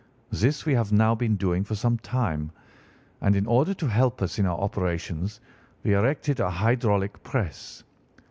This we have now been doing for some time, and in order to help us in our operations we erected a hydraulic press.